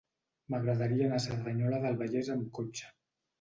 M'agradaria anar a Cerdanyola del Vallès amb cotxe.